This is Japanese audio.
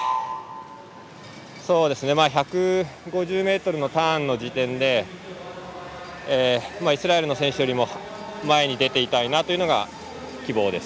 １５０ｍのターンの時点でイスラエルの選手よりも前に出ていたいなというのが希望です。